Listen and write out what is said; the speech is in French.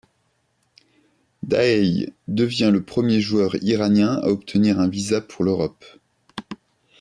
Daei devient le premier joueur iranien à obtenir un visa pour l'Europe.